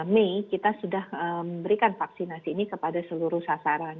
jadi kita sudah berikan vaksinasi ini kepada seluruh sasaran